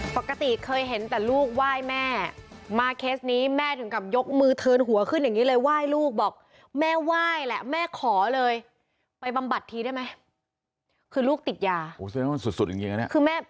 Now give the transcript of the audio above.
ปกติเคยเห็นแต่ลูกไหว้แม่มาเคสนี้แม่ถึงกับยกมือเทินหัวขึ้นอย่างนี้เลยไหว้ลูกบอกแม่ไหว้แหละแม่ขอเลยไปบำบัดทีได้ไหมคือลูกติดยาเนี่ยคือแม่